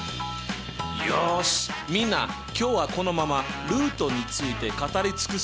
よしみんな今日はこのままルートについて語り尽くそうぜ！